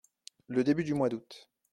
Le début du mois d’août.